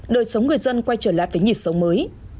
đời sống người dân quay trở lại với nhịp sống mới